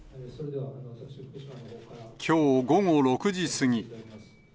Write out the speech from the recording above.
きょう午後６時過ぎ。